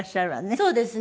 そうですね。